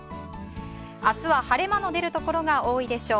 明日は晴れ間の出るところが多いでしょう。